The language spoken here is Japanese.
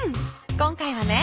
今回はね